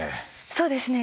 そうですね。